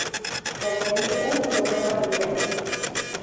Posee un prosoma brillante.